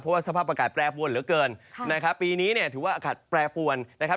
เพราะว่าสภาพอากาศแปรปวนเหลือเกินนะครับปีนี้เนี่ยถือว่าอากาศแปรปวนนะครับ